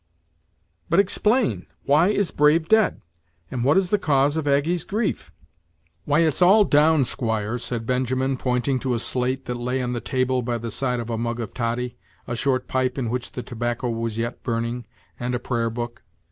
"But explain; why is Brave dead? and what is the cause of Aggy's grief?" "Why, it's all down, squire," said Benjamin, pointing to a slate that lay on the table, by the side of a mug of toddy, a short pipe in which the tobacco was yet burning, and a prayer book.